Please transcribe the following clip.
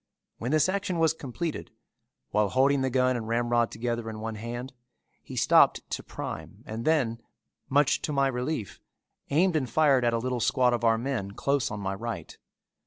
When this action was completed, while holding the gun and ramrod together in one hand, he stopped to prime and then, much to my relief, aimed and fired at a little squad of our men close on my right.